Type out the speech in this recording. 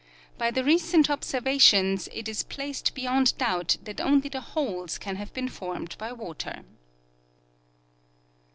By the recent obserA^ations it is placed beyond doubt that only the holes can have been formed by Avater.